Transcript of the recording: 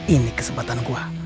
ini kesempatan gua